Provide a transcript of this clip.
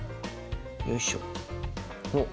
よいしょ。